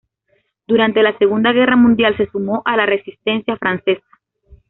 Durante la Segunda Guerra Mundial, se sumó a la Resistencia francesa.